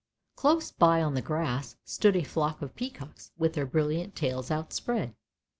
Close by on the grass stood a flock of peacocks with their brilliant tails outspread.